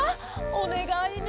おねがいね。